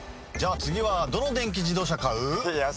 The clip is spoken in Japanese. じゃ次はどの電気自動車買う？